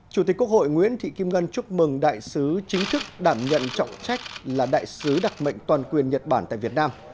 chủ tịch quốc hội nguyễn thị kim ngân chúc mừng đại sứ chính thức đảm nhận trọng trách là đại sứ đặc mệnh toàn quyền nhật bản tại việt nam